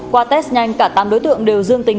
qua test nhanh cả tám đối tượng đều dương tính